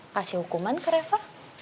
kasih hukuman ke reva